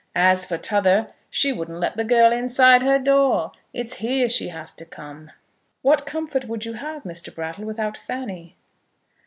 As for t'other, she wouldn't let the girl inside her door! It's here she has to come." "What comfort would you have, Mr. Brattle, without Fanny?"